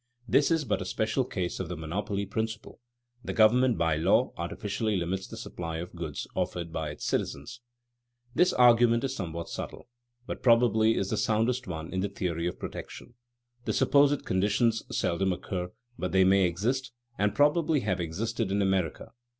This is but a special case of the monopoly principle; the government by law artificially limits the supply of goods offered by its citizens. [Sidenote: Limited monopoly advantages of America] This argument is somewhat subtle, but probably is the soundest one in the theory of protection. The supposed conditions seldom occur, but they may exist, and probably have existed in America.